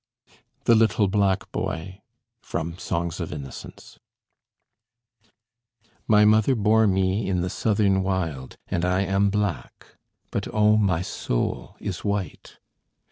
THE LITTLE BLACK BOY From 'Songs of Innocence' MY MOTHER bore me in the Southern wild, And I am black, but oh, my soul is white!